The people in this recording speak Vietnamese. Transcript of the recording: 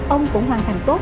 ông cũng hoàn thành tốt